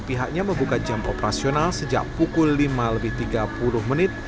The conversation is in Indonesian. pihaknya membuka jam operasional sejak pukul lima lebih tiga puluh menit